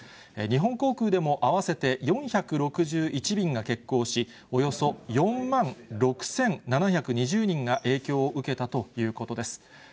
日本航空でも合わせて４６１便が欠航し、およそ４万６７２０人が影響を受けたということです。